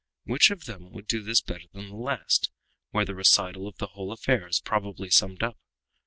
Which of them would do this better than the last, where the recital of the whole affair is probably summed up?